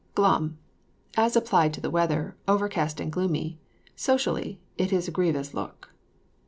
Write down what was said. GLUM. As applied to the weather, overcast and gloomy. Socially, it is a grievous look.